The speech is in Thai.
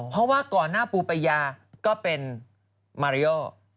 เพราะว่าก่อนหน้าปูปัญญาก็เป็นมาริโอ